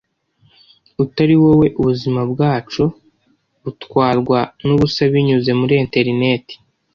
utari wowe ubuzima bwacu butwarwa nubusa binyuze muri enterineti